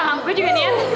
mam gue juga niat